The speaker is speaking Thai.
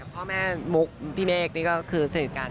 พ่อแม่มุกพี่เมฆนี่ก็คือสนิทกัน